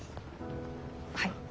はい。